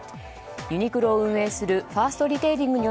ユニクロを運営するファーストリテイリングに